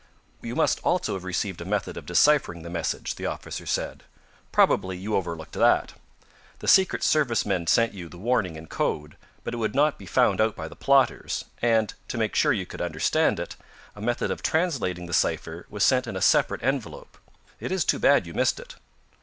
"You must also have received a method of deciphering the message," the officer said. "Probably you overlooked that. The Secret Service men sent you the warning in code, so it would not be found out by the plotters, and, to make sure you could understand it, a method of translating the cipher was sent in a separate envelope. It is too bad you missed it."